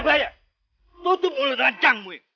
kau itu mulai rancang